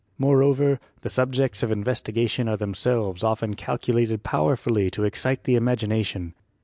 Moreover, the subjects of investigation are them selves often calculated powerfully to excite the imagi nation.